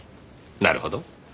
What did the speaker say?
なるほど。